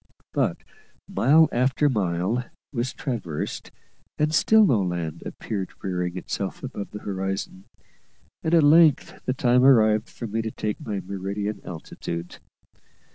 But mile after mile was traversed, and still no land appeared rearing itself above the horizon, and at length the time arrived for me to take my meridian altitude.